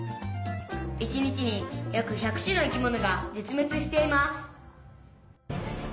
「一日に約１００種の生き物が絶滅しています」。